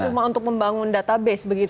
jadi cuma untuk membangun database begitu